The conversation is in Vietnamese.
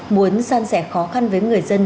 muốn gian rẻ khó khăn với người dân